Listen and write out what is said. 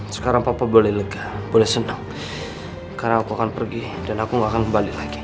sekarang papa boleh lega boleh senam karena aku akan pergi dan aku gak akan kembali lagi